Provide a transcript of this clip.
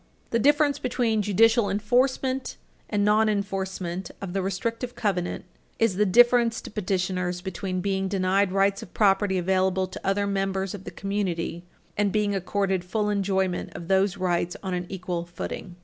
The difference between judicial enforcement and nonenforcement of the restrictive covenants is the difference to petitioners between being denied rights of property available to other members of the community and being accorded full enjoyment of those rights on an equal footing.